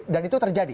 dan itu terjadi